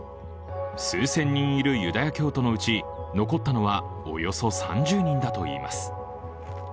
数千人いるユダヤ教徒のうち残ったのはおよそ３０人だといわれています。